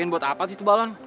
ini buat apa sih tuh balon